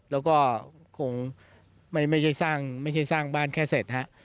แล้วก็คงไม่ใช่สร้างบ้านแค่เสร็จฮะ